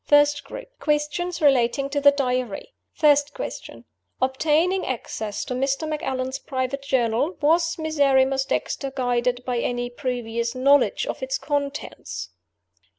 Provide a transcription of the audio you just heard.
First Group: Questions relating to the Diary. First Question: obtaining access to Mr. Macallan's private journal, was Miserrimus Dexter guided by any previous knowledge of its contents?